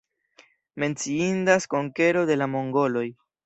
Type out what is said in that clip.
Menciindas konkero de la mongoloj.